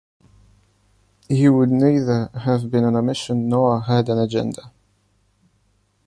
He would neither have been on a mission nor had an agenda.